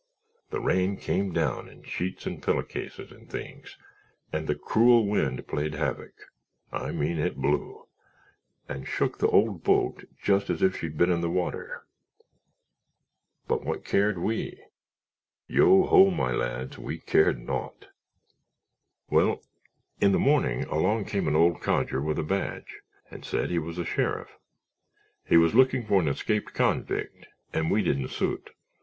The rain came down in sheets and pillowcases and things and the cruel wind played havoc—I mean it blew—and shook the old boat just as if she'd been in the water. But what cared we—yo, ho, my lads—we cared naught! "Well, in the morning along came an old codger with a badge and said he was a sheriff. He was looking for an escaped convict and we didn't suit.